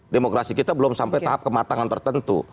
demokrasi kita belum sampai tahap kematangan tertentu